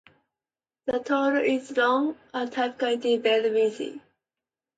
The tail is long and typically very bushy.